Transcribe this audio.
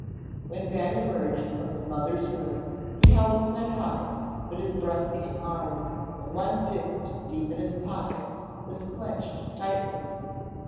When Ben emerged from his mother's room, he held his head high, but his breath came hard, and one fist deep in his pocket was clenched tightly.